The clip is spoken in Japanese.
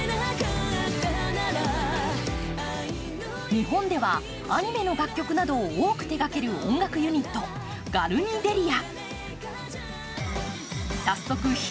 日本ではアニメの楽曲などを多く手がける音楽ユニットＧＡＲＮｉＤＥＬｉＡ。